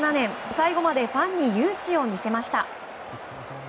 最後までファンに勇姿を見せました。